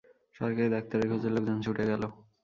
সরকারি ডাক্তারের খোঁজে লোকজন ছুটে গেল।